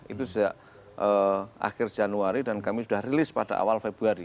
itu sejak akhir januari dan kami sudah rilis pada awal februari